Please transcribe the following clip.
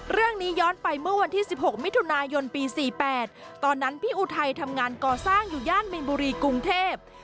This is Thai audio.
ย้อนไปเมื่อวันที่๑๖มิถุนายนปี๔๘ตอนนั้นพี่อุทัยทำงานก่อสร้างอยู่ย่านมินบุรีกรุงเทพ